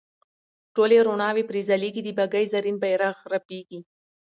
ټولې روڼاوې پرې ځلیږي د بګۍ زرین بیرغ رپیږي.